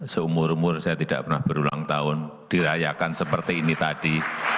seumur umur saya tidak pernah berulang tahun dirayakan seperti ini tadi